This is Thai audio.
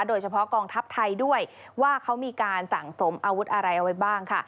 โดยเฉพาะกองทัพไทยด้วยว่าเขามีการสั่งสมอาวุธอะไรเอาไว้บ้างค่ะ